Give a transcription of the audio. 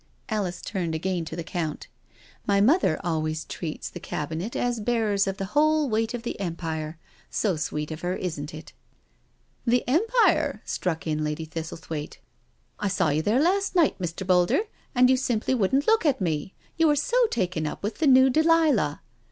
Alice turnied again to the Count. " My mother always treats 222 NO SURRENDER the Cabinet as bearers of the whole weight of the Empire — so sweet of her, isn't it?" "The Empire?" struck in Lady Thistlethwaite, "I saw you there last night, Mr. Boulder, and you simply wouldn't look at me. You were so taken up with the new Delilah.